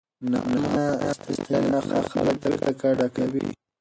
ناامنه ستنېدنه خلک بیرته کډه کوي.